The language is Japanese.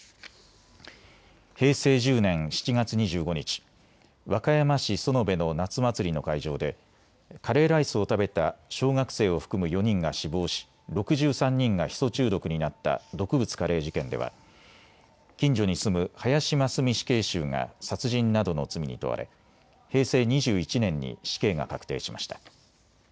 平成１０年７月２５日、和歌山市園部の夏祭りの会場でカレーライスを食べた小学生を含む４人が死亡し６３人がヒ素中毒になった毒物カレー事件では近所に住む林真須美死刑囚が殺人などの罪に問われ平成２１年に死刑が確定しました。